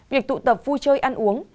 việc tụ tập vui chơi ăn uống